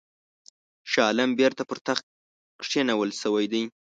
شاه عالم بیرته پر تخت کښېنول شوی دی.